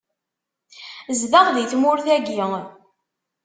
Zdeɣ di tmurt-agi.